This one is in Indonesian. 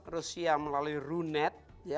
rusia melalui runet